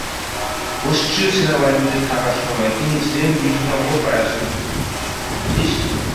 অস্ট্রীয় সেনাবাহিনীতে থাকার সময়ই তিনি ছিলেন বিশেষজ্ঞ প্যারাস্যুটিস্ট।